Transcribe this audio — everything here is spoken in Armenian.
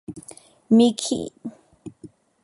Միջին ականջաելունդը (կոզելոկ) հիմքում լայնացած է։